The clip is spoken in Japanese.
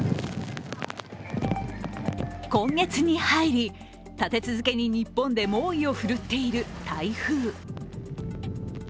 今月に入り、立て続けに日本で猛威を振るっている台風。